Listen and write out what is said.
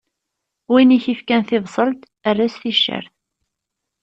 Win i k-ifkan tibṣelt, err-as ticcert.